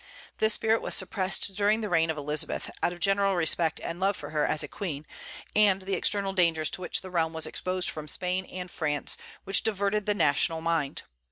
This spirit was suppressed during the reign of Elizabeth, out of general respect and love for her as a Queen, and the external dangers to which the realm was exposed from Spain and France, which diverted the national mind.